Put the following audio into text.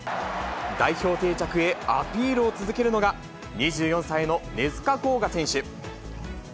代表定着へアピールを続けるのが、２４歳の根塚洸雅選手。